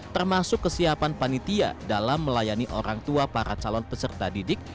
termasuk kesiapan panitia dalam melayani orang tua para calon peserta didik